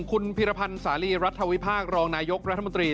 คุณพิรพันธ์สาลีรัฐวิพากษ์รองนายกรัฐมนตรี